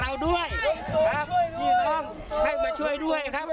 ให้ตัวช่วยด้วยที่ต้องให้มาช่วยด้วยครับ